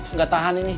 nggak tahan ini